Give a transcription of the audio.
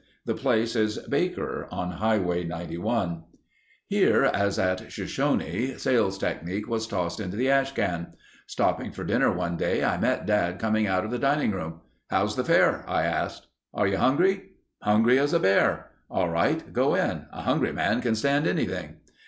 The place is Baker on Highway 91. Here, as at Shoshone, sales technique was tossed into the ash can. Stopping for dinner one day I met Dad coming out of the dining room. "How's the fare?" I asked. "Are you hungry?" "Hungry as a bear...." "All right. Go in. A hungry man can stand anything."